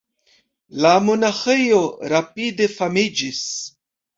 La monaĥejo rapide famiĝis.